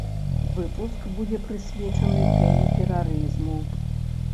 Выпуск будзе прысвечаны тэме тэрарызму.